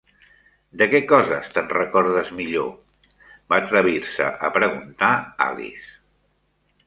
"De què coses t'en recordes millor?" va atrevir-se a preguntar Alice.